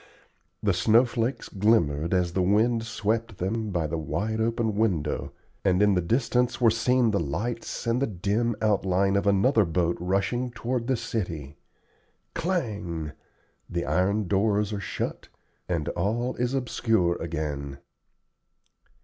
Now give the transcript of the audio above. The snow flakes glimmered as the wind swept them by the wide open window, and in the distance were seen the lights and the dim outline of another boat rushing toward the city. Clang! the iron doors are shut, and all is obscure again.